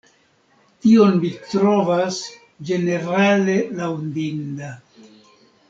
Tion mi trovas ĝenerale laŭdinda.